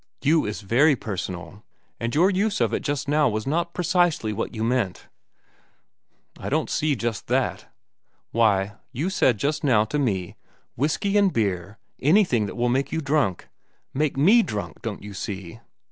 'You' is very personal, and your use of it just now was not precisely what you meant." "I don't just see that." "Why, you said just now, to me, 'whiskey and beer—anything that will make you drunk'—make me drunk, don't you see?"